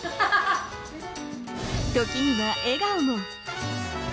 時には笑顔も。